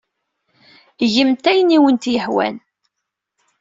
Gemt ayen ay awent-yehwan.